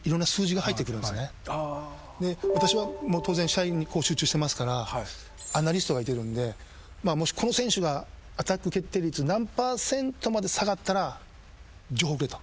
私は当然試合に集中してますからアナリストがいてるんでもしこの選手がアタック決定率何％まで下がったら情報くれと。